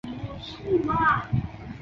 该集团贪污腐败现象严重。